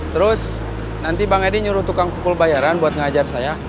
terus nanti bang edi nyuruh tukang pukul bayaran buat ngajar saya